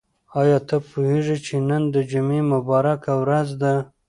آیا ته پوهېږې چې نن د جمعې مبارکه ورځ ده؟